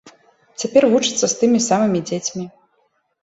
Цяпер вучыцца з тымі самымі дзецьмі.